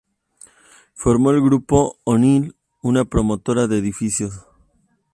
Formó el Grupo O'Neal, una promotora de edificios.